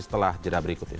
setelah jenah berikut ini